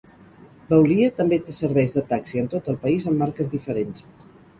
Veolia també té serveis de taxi en tot el país amb marques diferents.